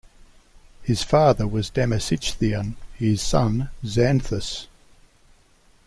His father was Damasichthon; his son, Xanthus.